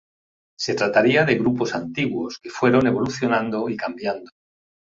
Se trataría de grupos antiguos que fueron evolucionando y cambiando.